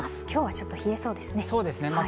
今日はちょっと冷えそうですね。